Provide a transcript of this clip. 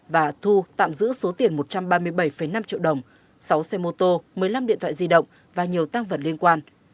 và thu tạm giữ số tiền một trăm ba mươi bảy năm triệu đồng sáu xe mô tô một mươi năm điện thoại di động và nhiều tăng vật liên quan